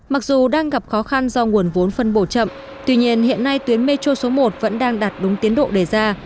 mặc dù đang gặp khó khăn do nguồn vốn phân bổ chậm tuy nhiên hiện nay tuyến metro số một vẫn đang đạt đúng tiến độ đề ra